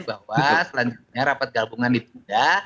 bahwa selanjutnya rapat gabungan ditunda